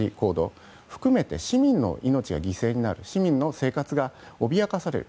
それを含めて市民の命が犠牲になる市民の生活が脅かされる。